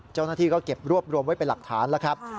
เจ้าหน้าที่ก็เก็บรวบรวมไว้เป็นหลักฐานแล้วครับ